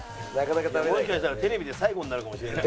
もしかしたらテレビで最後になるかもしれない。